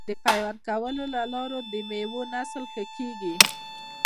د پیوند کولو له لارې د میوو نسل ښه کیږي.